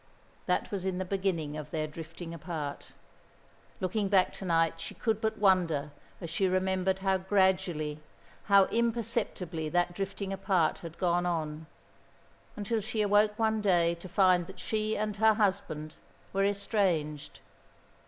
That was in the beginning of their drifting apart. Looking back to night she could but wonder as she remembered how gradually, how imperceptibly that drifting apart had gone on; until she awoke one day to find that she and her husband were estranged.